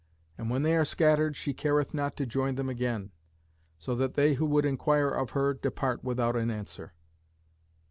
And when they are scattered she careth not to join them again, so that they who would inquire of her depart without an answer.